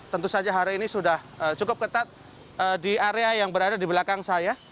tentu saja hari ini sudah cukup ketat di area yang berada di belakang saya